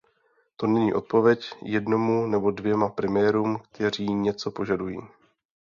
To není odpověď jednomu nebo dvěma premiérům, kteří něco požadují.